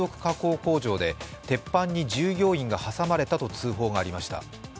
工場で鉄板に従業員が挟まれたと通報がありました。